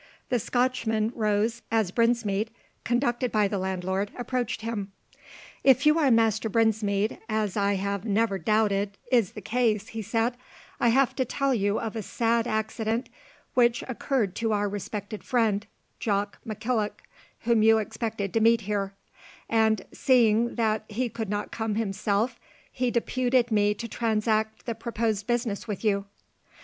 The Scotchman rose as Brinsmead, conducted by the landlord, approached him. "If you are Master Brinsmead, as I have ne'er doobt is the case," he said, "I have to tell you of a sad accident which occurred to our respected friend, Jock McKillock, whom you expected to meet here: and, seeing that he could not come himself, he deputed me to transact the proposed business with you."